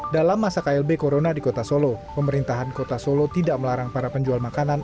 dalam masa klb corona di kota solo pemerintahan kota solo tidak melarang para penjual makanan